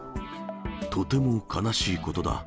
とても悲しいことだ。